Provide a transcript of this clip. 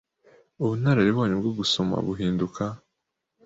Ubunararibonye bwo gusoma buhinduka